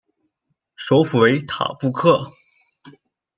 首府为塔布克。